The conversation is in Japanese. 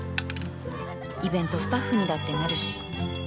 イベントスタッフにだってなるし